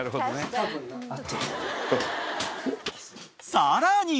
［さらに］